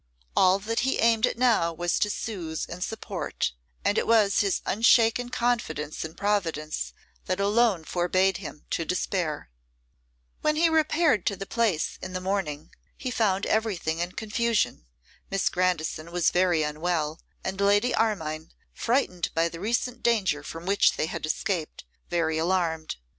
All that he aimed at now was to soothe and support, and it was his unshaken confidence in Providence that alone forbade him to despair. When he repaired to the Place in the morning he found everything in confusion. Miss Grandison was very unwell; and Lady Armine, frightened by the recent danger from which they had escaped, very alarmed.